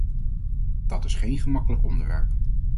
Dat is geen gemakkelijk onderwerp.